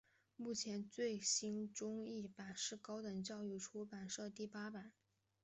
目前最新中译版是高等教育出版社第八版。